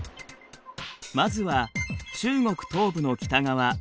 まずは中国東部の北側。